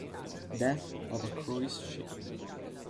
Death of a Cruise Ship.